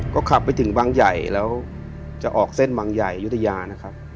ก็ขับไปถึงบางใหญ่แล้วจะออกเส้นบางใหญ่ยุธยานะครับ